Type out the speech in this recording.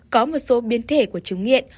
có một số biến thể của chứng nghiện